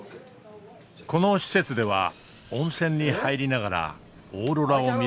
この施設では温泉に入りながらオーロラを見る事ができる。